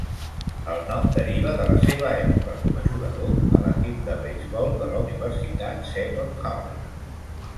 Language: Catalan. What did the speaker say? El nom deriva de la seva època com a jugador a l'equip de beisbol de la Universitat Seton Hall.